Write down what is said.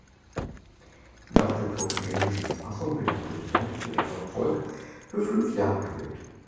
Nach der turkmenischen Verfassung wird der Präsident direkt vom Volk für fünf Jahre gewählt.